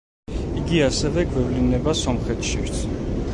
იგი ასევე გვევლინება სომხეთშიც.